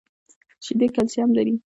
شیدې کلسیم لري